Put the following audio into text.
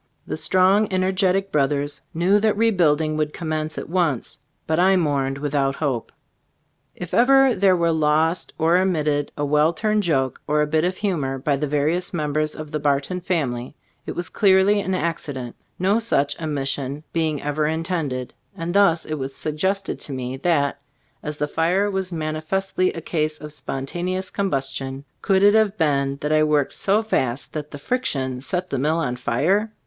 The strong, energetic brothers knew that rebuilding would commence at once, but I mourned without hope. If ever there were lost or omitted a well turned joke or a bit of humor by the various members of the Bar ton family it was clearly an accident, no such omission being ever intended ; and thus it was suggested to me, that, as the fire was manifestly a case of spontaneous combustion, could it have been that I worked so fast that the friction set the mill on fire?